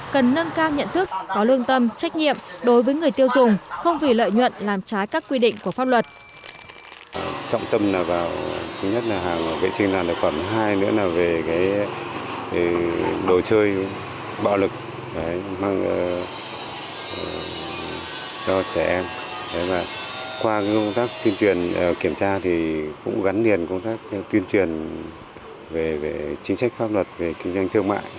cần nâng cao nhận thức có lương tâm trách nhiệm đối với người tiêu dùng không vì lợi nhuận làm trái các quy định của pháp luật